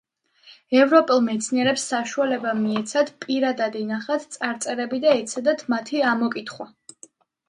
ევროპელ მეცნიერებს საშუალება მიეცათ პირადად ენახათ წარწერები და ეცადათ მათი ამოკითხვა.